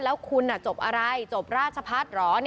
แล้วคุณจบอะไรจบราชพัฒน์เหรอ